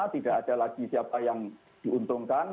tidak ada lagi siapa yang diuntungkan